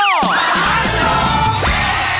โปรดติดตามตอนต่อไป